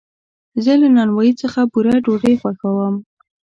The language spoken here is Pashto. زه له نانوایي څخه بوره ډوډۍ خوښوم.